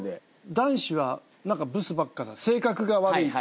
男子はブスばっかだ性格が悪いと。